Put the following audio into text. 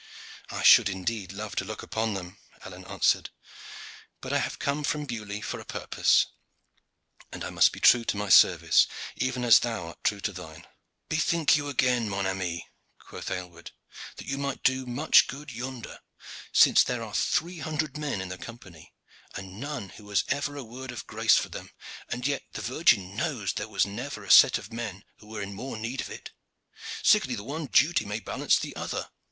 "I should indeed love to look upon them," Alleyne answered; "but I have come from Beaulieu for a purpose, and I must be true to my service, even as thou art true to thine." "Bethink you again, mon ami," quoth Aylward, "that you might do much good yonder, since there are three hundred men in the Company, and none who has ever a word of grace for them, and yet the Virgin knows that there was never a set of men who were in more need of it. Sickerly the one duty may balance the other.